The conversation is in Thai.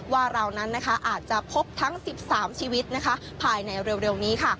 ว่าเรานั้นอาจจะพบทั้ง๑๓ชีวิตภายในเร็วนี้ค่ะ